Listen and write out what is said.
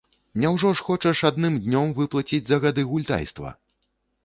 Няўжо ж хочаш адным днём выплаціць за гады гультайства?